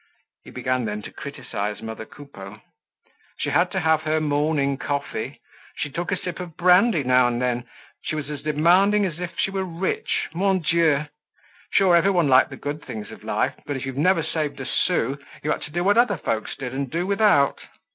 He began then to criticize mother Coupeau: she had to have her morning coffee, she took a sip of brandy now and then, she was as demanding as if she were rich. Mon Dieu! Sure, everyone liked the good things of life. But if you've never saved a sou, you had to do what other folks did and do without.